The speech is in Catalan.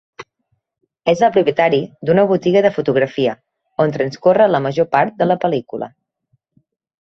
És el propietari d'una botiga de fotografia, on transcorre la major part de la pel·lícula.